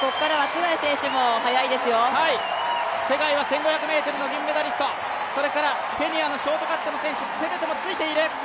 ツェガイは１２００ｍの銀メダリスト、それからケニアのショートカットの選手、チェベトもついている。